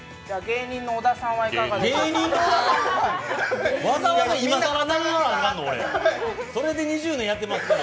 芸人の小田さんはいかがですか？